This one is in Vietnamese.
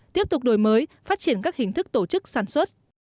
tiếp tục đổi mới phát triển các hình thức tổ chức sản xuất